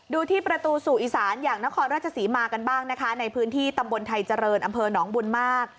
ดูที่ประตูสู่อีสานอย่างนครราชศรีมากันบ้างนะคะในพื้นที่ตำบลไทยเจริญอำเภอหนองบุญมาก